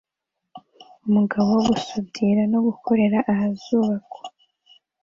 Umugabo wo gusudira no gukorera ahazubakwa